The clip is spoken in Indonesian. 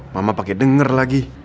mama pake denger lagi